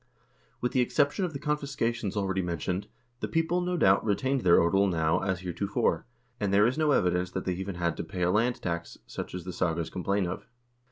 With the exception of the confiscations already men tioned, the people, no doubt, retained their odel now as heretofore, and there is no evidence that they even had to pay a land tax, such as the sagas complain of.